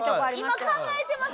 今考えてます？